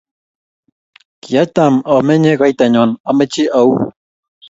Kiatam amenye kaitanyo ameche auu